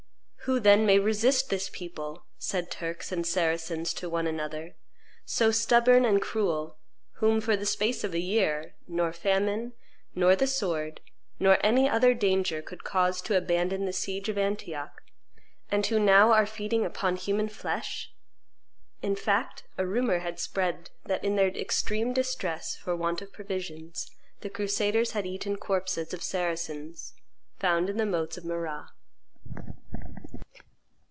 "Who then may resist this people," said Turks and Saracens one to another, "so stubborn and cruel, whom, for the space of a year, nor famine, nor the sword, nor any other danger could cause to abandon the siege of Antioch, and who now are feeding upon human flesh?" In fact a rumor had spread that, in their extreme distress for want of provisions, the crusaders had eaten corpses of Saracens found in the moats of Marrah.